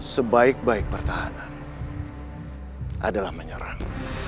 sebaik baik pertahanan adalah menyerang